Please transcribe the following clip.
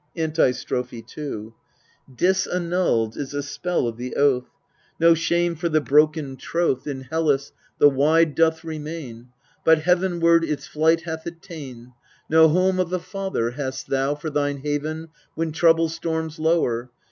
Antistrophe 2 Disannulled is the spell of the oath : no shame for the broken troth 17 258 , EURIPIDES In Hellas the wide doth remain, but heavenward its flight hath it ta'en. No home of a father hast thou For thine haven when trouble storms lower.